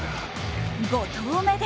５投目で